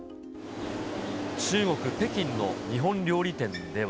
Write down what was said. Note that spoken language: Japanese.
中国・北京の日本料理店では。